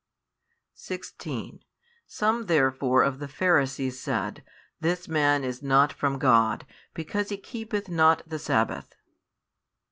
16 Some therefore of the Pharisees said, This man is not from God, because he keepeth not the sabbath.